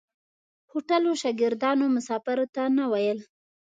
هوټلو شاګردانو مسافرو ته نه ویل.